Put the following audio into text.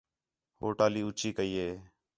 ہو ٹالی اُچّی کَئی ہِے